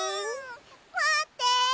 まって！